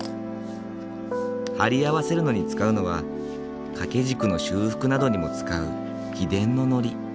貼り合わせるのに使うのは掛け軸の修復などにも使う秘伝の糊。